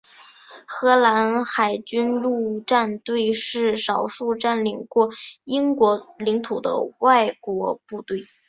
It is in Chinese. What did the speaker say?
荷兰海军陆战队是少数占领过英国领土的外国部队。